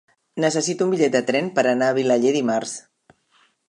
Necessito un bitllet de tren per anar a Vilaller dimarts.